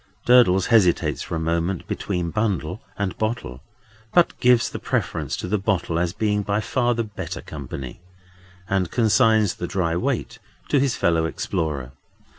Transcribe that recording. Durdles hesitates for a moment between bundle and bottle; but gives the preference to the bottle as being by far the better company, and consigns the dry weight to his fellow explorer.